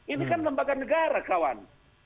ini kan lembaga negara kawan